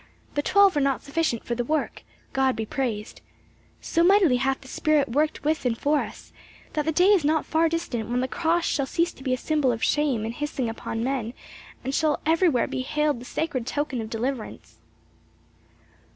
"The twelve are not sufficient for the work, God be praised. So mightily hath the spirit worked with and for us, that the day is not far distant when the cross shall cease to be a symbol of shame and hissing among men and shall everywhere be hailed the sacred token of deliverance."